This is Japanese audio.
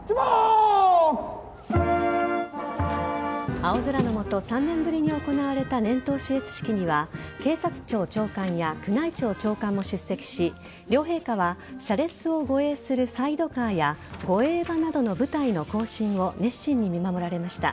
青空の下、３年ぶりに行われた年頭視閲式には警察庁長官や宮内庁長官も出席し両陛下は車列を護衛するサイドカーや護衛馬などの部隊の行進を熱心に見守られました。